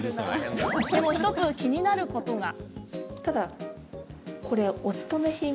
でも、１つ気になることが。